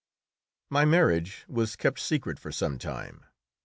] My marriage was kept secret for some time.